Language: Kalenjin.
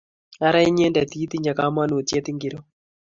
ara inyendet itinye kamanutiet ingiro?